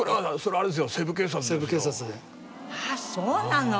あっそうなの！